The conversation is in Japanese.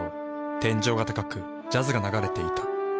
天井が高くジャズが流れていた。